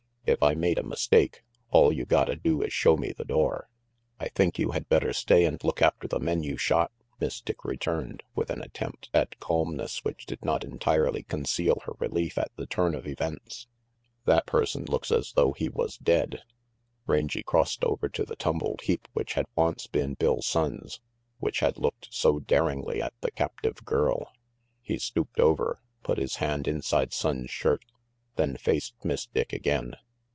If I made a mistake, all you gotta do is show me the door." "I think you had better stay and look after the men you shot," Miss Dick returned, with an attempt RANGY PETE 345 at calmness which did not entirely conceal her relief at the turn of events. "That person looks as though he was dead/' Rangy crossed over to the tumbled heap which had once been Bill Sonnes, which had looked so daringly at the captive girl. He stooped over, put his hand inside Sonnes' shirt, then faced Miss Dick again.